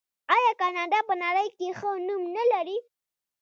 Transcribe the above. آیا کاناډا په نړۍ کې ښه نوم نلري؟